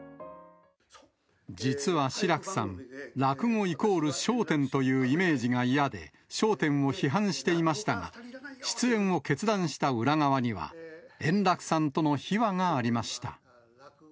実は志らくさん、落語イコール笑点というイメージが嫌で、笑点を批判していましたが、出演を決断した裏側には、円楽さんとの秘話がありました。